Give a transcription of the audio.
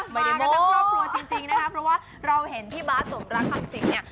ไม่ได้โม้มากันทั้งครอบครัวจริงจริงนะคะเพราะว่าเราเห็นพี่บาทสนรักคำสิงเนี้ย